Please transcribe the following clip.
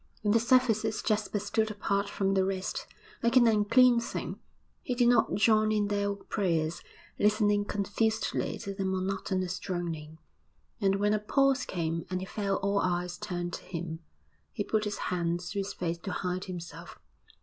In the services Jasper stood apart from the rest, like an unclean thing; he did not join in their prayers, listening confusedly to their monotonous droning; and when a pause came and he felt all eyes turn to him, he put his hands to his face to hide himself.